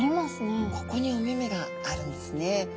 ここにお目々があるんですね。